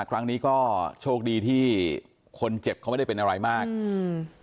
ครั้งนี้ก็โชคดีที่คนเจ็บเขาไม่ได้เป็นอะไรมากอืม